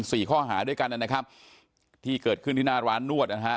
สี่ข้อหาด้วยกันนะครับที่เกิดขึ้นที่หน้าร้านนวดนะฮะ